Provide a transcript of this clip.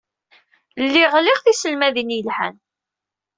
Lliɣ liɣ tiselmadin yelhan.